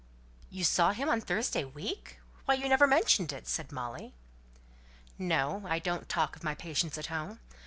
"You saw him on Thursday week? Why, you never mentioned it!" said Molly. "No. I don't talk of my patients at home.